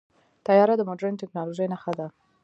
طیاره د مدرن ټیکنالوژۍ نښه ده.